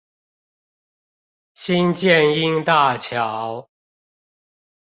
新箭瑛大橋